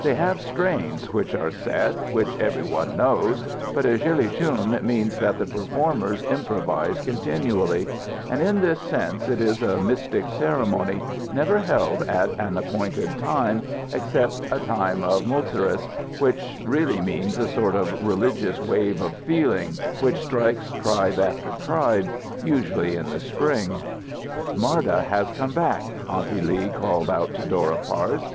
They have strains which are set, which every one knows, but a gillie shoon means that the performers improvise coninually; and in this sense it is a mystic ceremony, never held at an appointed time, except a "time of Mul cerus," which really means a sort of religious wave of feeling, which strikes tribe after tribe, usually in the spring. "Marda has come back," Aunty Lee called out to Dora Parse.